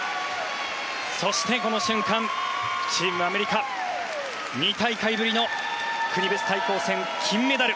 そしてこの瞬間チームアメリカ２大会ぶりの国別対抗戦、金メダル！